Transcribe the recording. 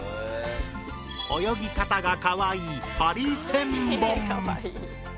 泳ぎ方がかわいいハリセンボン。